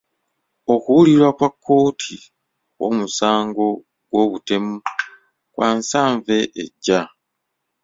Okuwulirwa kwa kkooti okw'omusago gw'obutemu kwa nsanve ejja.